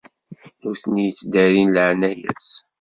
Nutni yettdarin leɛnaya-s.